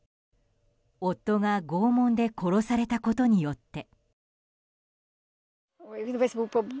夫が拷問で殺されたことによって。